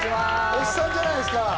おっさんじゃないですか！